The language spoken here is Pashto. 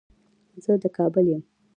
زه د کابل يم